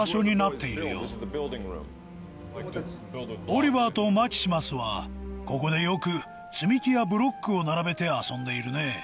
オリバーとマキシマスはここでよく積み木やブロックを並べて遊んでいるね。